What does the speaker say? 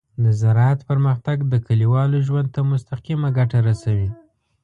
د زراعت پرمختګ د کليوالو ژوند ته مستقیمه ګټه رسوي.